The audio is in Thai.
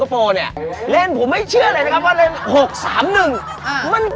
หมักลุกเหรอครับเฮีย